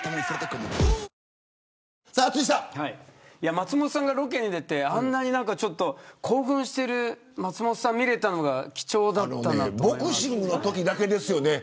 松本さんがロケに出てあんなに興奮してる松本さん見れたのがボクシングのときだけですね。